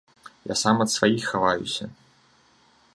Я сам ад сваіх хаваюся.